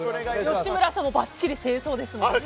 吉村さんもばっちり正装ですもんね。